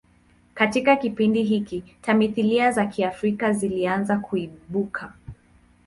Katika kipindi hiki, tamthilia za Kiafrika zilianza kuibuka.